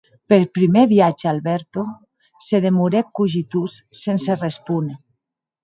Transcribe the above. Per prumèr viatge Alberto se demorèc cogitós, sense respóner.